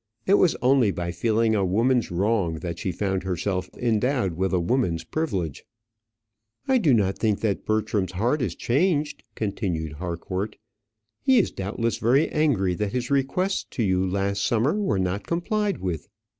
It was only by feeling a woman's wrong that she found herself endowed with a woman's privilege. "I do not think that Bertram's heart is changed," continued Harcourt; "he is doubtless very angry that his requests to you last summer were not complied with."